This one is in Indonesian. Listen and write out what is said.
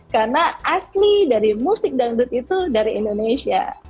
karena asli dari musik dangdut itu dari indonesia